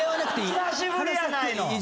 久しぶりやないの。